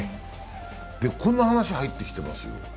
こんな話が入ってきてます。